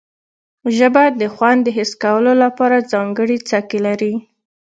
ژبه د خوند د حس کولو لپاره ځانګړي څکي لري